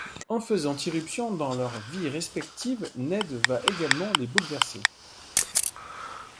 En faisant irruption dans leurs vies respectives, Ned va également les bouleverser.